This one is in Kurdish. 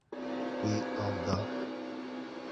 Wî av da.